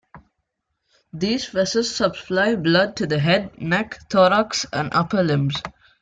These vessels supply blood to the head, neck, thorax and upper limbs.